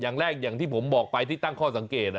อย่างแรกอย่างที่ผมบอกไปที่ตั้งข้อสังเกต